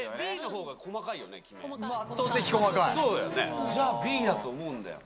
あ。じゃあＢだと思うんだよ。